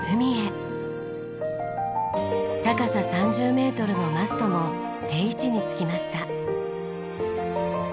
高さ３０メートルのマストも定位置につきました。